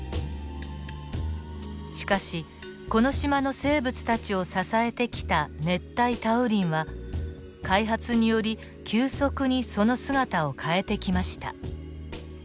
しかしこの島の生物たちを支えてきた熱帯多雨林は開発により急速にその姿を変えてきました。